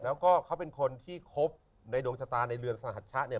แล้วก็เขาเป็นคนที่ครบในดวงชะตาในเรือนสหัชชะเนี่ย